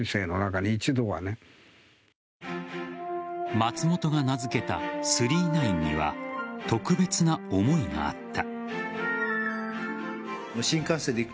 松本が名付けた「９９９」には特別な思いがあった。